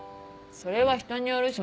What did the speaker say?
⁉それは人によるし